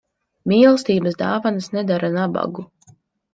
Mīlestības dāvanas nedara nabagu.